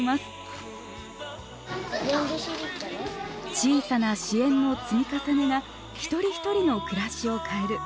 小さな支援の積み重ねが一人一人の暮らしを変える。